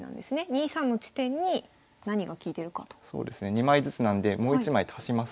２枚ずつなんでもう一枚足します。